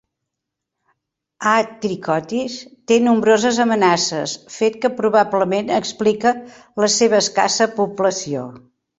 "A. trichotis" té nombroses amenaces, fet que probablement explica la seva escassa població.